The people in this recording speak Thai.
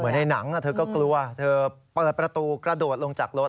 ในหนังเธอก็กลัวเธอเปิดประตูกระโดดลงจากรถ